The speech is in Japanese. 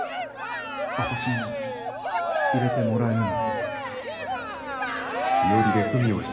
私も入れてもらえぬのです。